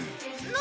何？